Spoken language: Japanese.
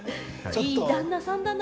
いい旦那さんだな。